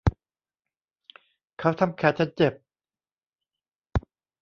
เขาทำแขนฉันเจ็บ